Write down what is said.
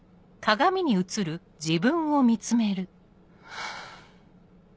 ハァ。